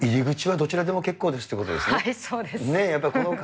入り口はどちらでも結構ですそうです。